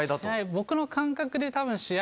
僕の感覚でたぶん試合